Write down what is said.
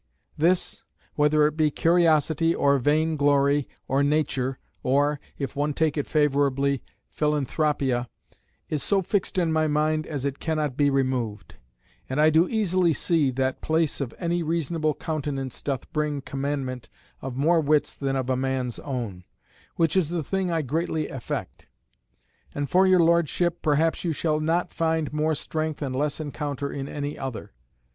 This, whether it be curiosity or vain glory, or nature, or (if one take it favourably) philanthropia, is so fixed in my mind as it cannot be removed. And I do easily see, that place of any reasonable countenance doth bring commandment of more wits than of a man's own; which is the thing I greatly affect. And for your Lordship, perhaps you shall not find more strength and less encounter in any other.